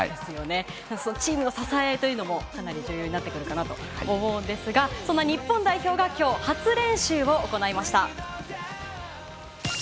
チームの支えというのもかなり重要になってくるかと思いますがそんな日本代表が今日、初練習を行いました。